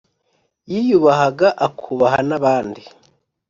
yiyubahaga akubaha nabandi.